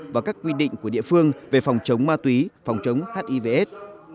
và các quy định của địa phương về phòng chống ma túy phòng chống hivs